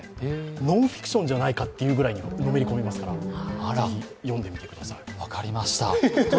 ノンフィクションじゃないかというくらいにのめり込みますから読んでみてください。